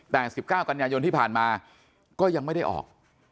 แต่๑๙กันยายนที่ผ่านมาก็ยังไม่ได้ออก